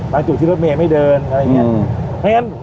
บางจุดที่รถเหมือนไม่ได้เดินอะไรอย่างนี้